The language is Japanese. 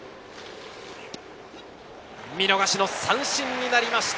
見逃しの三振になりました。